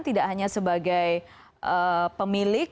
tidak hanya sebagai pemilik